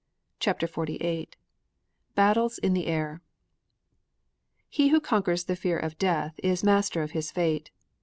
CHAPTER XLVIII BATTLES IN THE AIR He who conquers the fear of death is master of his fate.